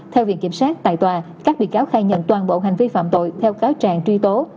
theo viện kiểm sát tại tòa các bị cáo khai nhận toàn bộ hành vi phạm tội theo cáo trạng truy tố